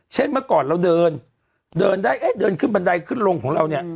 เมื่อก่อนเราเดินเดินได้เอ๊ะเดินขึ้นบันไดขึ้นลงของเราเนี่ย